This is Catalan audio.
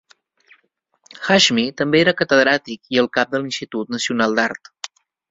Hashmi també era catedràtic i el cap de l'Institut Nacional d'Art.